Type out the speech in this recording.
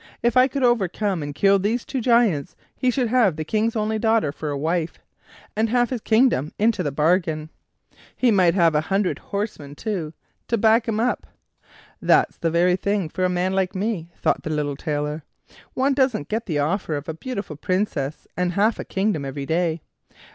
If he could overcome and kill these two giants he should have the King's only daughter for a wife, and half his kingdom into the bargain; he might have a hundred horsemen, too, to back him up." "That's the very thing for a man like me," thought the little Tailor; "one doesn't get the offer of a beautiful princess and half a kingdom every day."